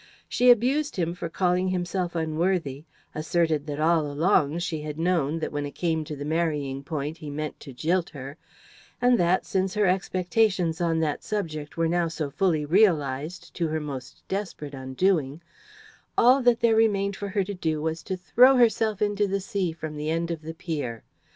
She abused him for calling himself unworthy, asserted that all along she had known that, when it came to the marrying point, he meant to jilt her; and that, since her expectations on that subject were now so fully realised, to her most desperate undoing, all that there remained for her to do was to throw herself into the sea from the end of the pier.